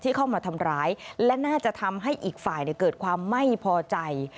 เข้ามาทำร้ายและน่าจะทำให้อีกฝ่ายเกิดความไม่พอใจ